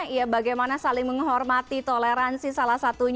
ya bagaimana saling menghormati toleransi salah satunya